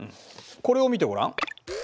これを見てごらん。